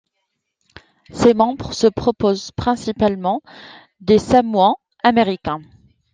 Ses membres se compose principalement des Samoans Américains.